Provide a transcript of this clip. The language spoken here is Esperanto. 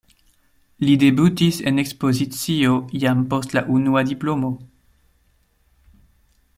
Li debutis en ekspozicio jam post la unua diplomo.